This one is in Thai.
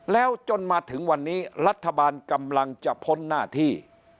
แล้วจนมาถึงวันนี้รัฐบาลกำลังจะพ้นหน้าที่